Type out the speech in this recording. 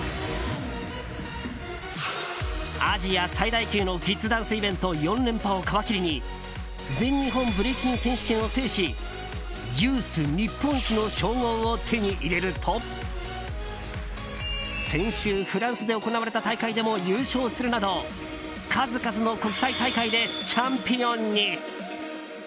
アジア最大級のキッズダンスイベント４連覇を皮切りに全日本ブレイキン選手権を制しユース日本一の称号を手に入れると先週フランスで行われた大会でも優勝するなど数々の国際大会でチャンピオンに。